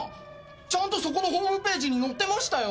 ちゃんとそこのホームページに載ってましたよ。